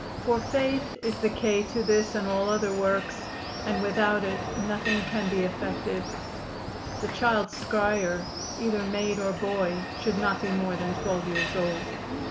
For faith is the cay to this and all other works, and without it nothing can be effected." The child scryer, either maid or boy, should not be more than twelve years old.